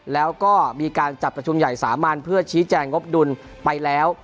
แล้วก็มีการจัดประชุมใหญ่สามัญเพื่อชี้แจงงบดุลไปแล้ว